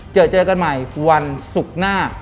เจอเจอกันใหม่วันศุกร์หน้า